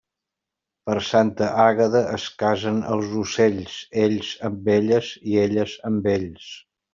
Per Santa Àgueda es casen els ocells, ells amb elles i elles amb ells.